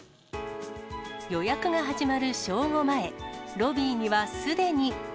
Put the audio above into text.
予約が始まる正午前、ロビーにはすでに。